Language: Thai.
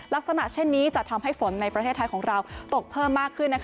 ลักษณะเช่นนี้จะทำให้ฝนในประเทศไทยของเราตกเพิ่มมากขึ้น